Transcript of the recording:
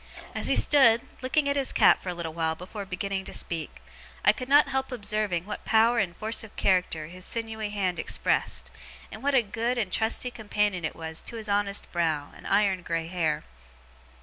As he stood, looking at his cap for a little while before beginning to speak, I could not help observing what power and force of character his sinewy hand expressed, and what a good and trusty companion it was to his honest brow and iron grey hair.